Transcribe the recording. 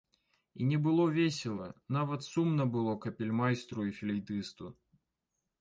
І не было весела, нават сумна было капельмайстру і флейтысту.